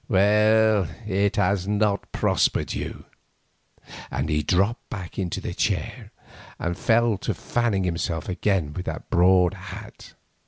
Well, it has not prospered you!" And he dropped back into the chair and fell to fanning himself again with the broad hat.